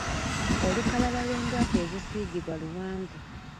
Olukalala lw'endwadde ezisiigibwa luwanvu.